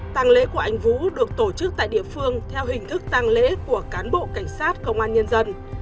tàng lễ của anh vũ được tổ chức tại địa phương theo hình thức tăng lễ của cán bộ cảnh sát công an nhân dân